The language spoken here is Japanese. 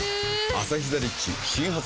「アサヒザ・リッチ」新発売